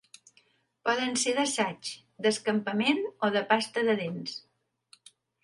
Poden ser d'assaig, d'escampament o de pasta de dents.